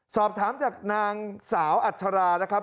สอบถามจากนางสาวอัชรานะครับ